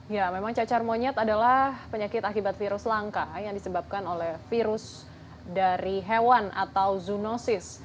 ya memang cacar monyet adalah penyakit akibat virus langka yang disebabkan oleh virus dari hewan atau zoonosis